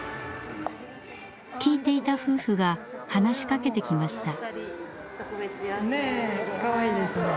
聴いていた夫婦が話しかけてきました。